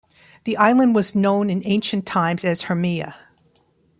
The island was known in ancient times as Hermea.